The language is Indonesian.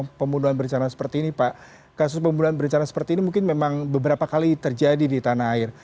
pembunuhan berencana seperti ini pak kasus pembunuhan berencana seperti ini mungkin memang beberapa kali terjadi di tanah air